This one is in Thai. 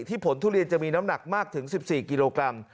ผลทุเรียนจะมีน้ำหนักมากถึง๑๔กิโลกรัม